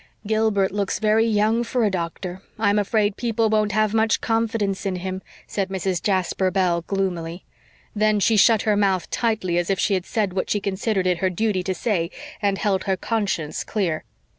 "Gilbert looks very young for a doctor. I'm afraid people won't have much confidence in him," said Mrs. Jasper Bell gloomily. Then she shut her mouth tightly, as if she had said what she considered it her duty to say and held her conscience clear.